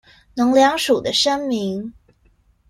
農糧署的聲明